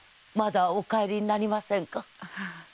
まだお帰りになりませんか？